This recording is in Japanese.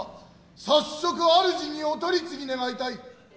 早速主にお取り次ぎ願いたい。